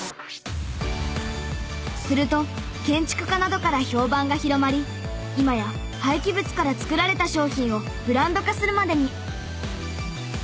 すると建築家などから評判が広まり今や廃棄物から作られた商品をブランド化するまでに。